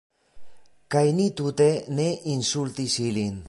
Kaj ni tute ne insultis ilin.